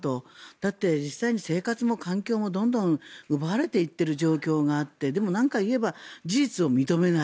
だって、実際に生活も環境もどんどん奪われていっている状況があってでも、何か言えば事実を認めない。